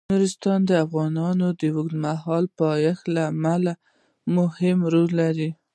نورستان د افغانستان د اوږدمهاله پایښت لپاره خورا مهم رول لري.